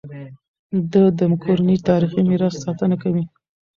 ده د کورنۍ تاریخي میراث ساتنه کوي.